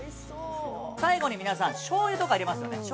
◆最後に皆さん、しょうゆとか入れますよね。